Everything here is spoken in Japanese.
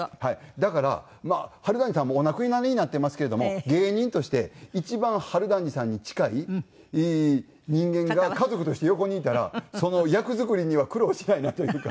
だからまあ春団治さんもうお亡くなりになってますけれども芸人として一番春団治さんに近い人間が家族として横にいたら役作りには苦労しないなというか。